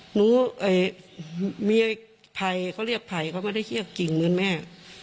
หนูมีไผ่เขาเรียกไผ่เขาไม่ได้เรียกกิ่งเหมือนแม่